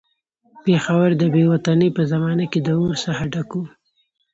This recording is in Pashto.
پېښور د بې وطنۍ په زمانه کې د اور څخه ډک وو.